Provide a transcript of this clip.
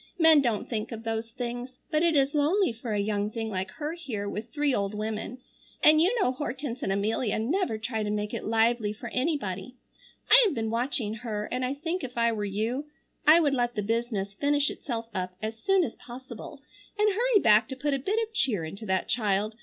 Men don't think of those things, but it is lonely for a young thing like her here with three old women, and you know Hortense and Amelia never try to make it lively for anybody. I have been watching her, and I think if I were you I would let the business finish itself up as soon as possible and hurry back to put a bit of cheer into that child.